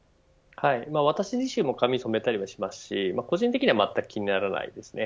私自身も髪染めたりしますし個人的にはまったく気にはならないです。